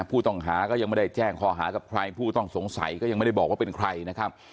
ผู้ต้องหาก็ยังไม่ได้แจ้งข้อหากับใครผู้ต้องสงสัยก็ยังไม่ได้บอกว่าเป็นใครนะครับ